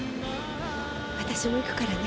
私もいくからね。